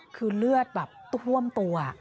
คือเลือดแบบท่วมตัว